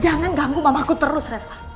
jangan ganggu mamaku terus reva